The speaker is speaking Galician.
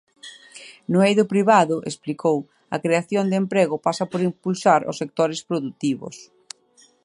No eido privado, explicou, a creación de emprego pasa por impulsar os sectores produtivos.